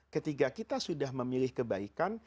ketika kita sudah memilih kebaikan